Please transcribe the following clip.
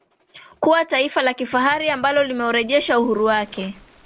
kuwa taifa la kihafari ambalo limeurejesha uhuru wake